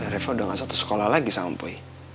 reva udah gak satu sekolah lagi sama poi